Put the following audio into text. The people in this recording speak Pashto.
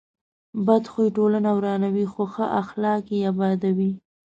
بد خوی ټولنه ورانوي، خو ښه اخلاق یې ابادوي.